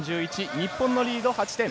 日本のリード８点。